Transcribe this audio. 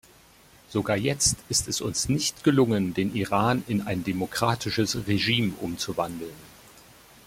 Sogar jetzt ist es uns nicht gelungen, den Iran in ein demokratisches Regime umzuwandeln.